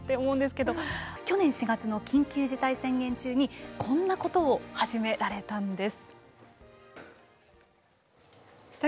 去年４月の緊急事態宣言中にこんなことを始められたんです。